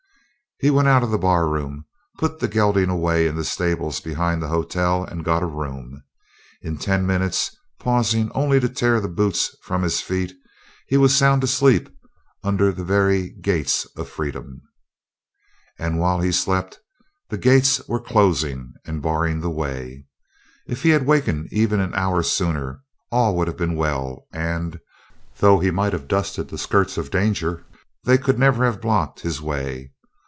He went out of the barroom, put the gelding away in the stables behind the hotel, and got a room. In ten minutes, pausing only to tear the boots from his feet, he was sound asleep under the very gates of freedom. And while he slept the gates were closing and barring the way. If he had wakened even an hour sooner, all would have been well and, though he might have dusted the skirts of danger, they could never have blocked his way.